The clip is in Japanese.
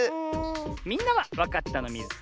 みんなはわかったのミズか？